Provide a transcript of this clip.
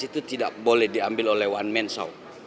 itu tidak boleh diambil oleh one man show